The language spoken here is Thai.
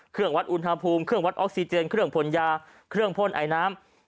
เครื่องวัดอุณหภูมิเครื่องวัดออกซิเจนเครื่องผลยาเครื่องพ่นไอน้ำ